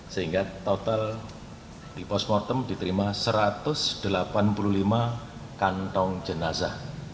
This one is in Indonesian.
sehingga total di postmortem diterima satu ratus delapan puluh lima kantong jenasa